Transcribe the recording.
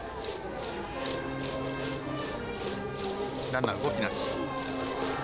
ランナー、動きなし。